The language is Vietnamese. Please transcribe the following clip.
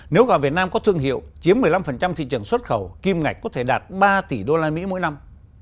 nếu gạo việt nam có thương hiệu chiếm một mươi năm thị trường xuất khẩu kim ngạch có thể đạt ba tỷ usd mỗi năm